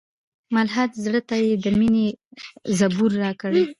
ملحد زړه ته یې د میني زبور راکړی